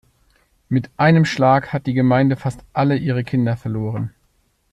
Mit einem Schlag hat die Gemeinde fast alle ihre Kinder verloren.